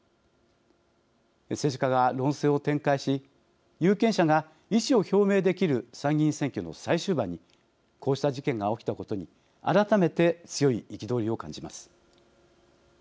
政治家が論戦を展開し有権者が意思を表明できる参議院選挙の最終盤にこうした事件が起きたことに改めて強い憤りを感じます。